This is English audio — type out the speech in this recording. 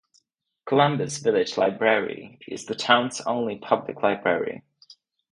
Columbus Village Library is the town's only public library.